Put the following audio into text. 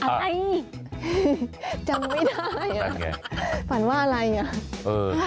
อะไรจำไม่ได้ฝันไงฝันว่าอะไรอย่างเนี้ย